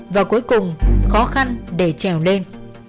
và cuối cùng khó khăn để trèo lên